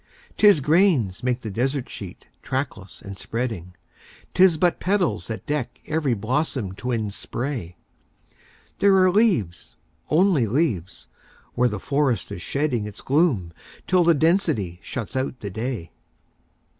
'Tis grains make the desert sheet, trackless and spreading; 'Tis but petals that deck every blossom twinned spray; There are leaves only leaves where the forest is shedding Its gloom till the density shuts out the day.